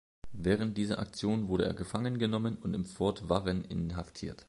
Während dieser Aktion wurde er gefangen genommen und im Fort Warren inhaftiert.